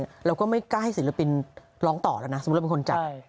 เราก็ไม่กล้าให้ศิลปินร้องต่อแล้วนะสมมุติเราเป็นคนจัด